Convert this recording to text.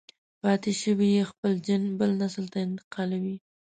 پاتې شوی يې خپل جېن بل نسل ته انتقالوي.